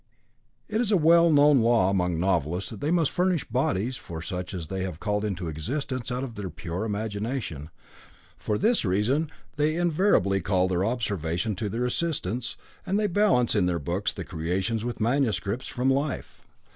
It is a well known law among novelists that they must furnish bodies for such as they have called into existence out of their pure imagination. For this reason they invariably call their observation to their assistance, and they balance in their books the creations with the transcripts from life.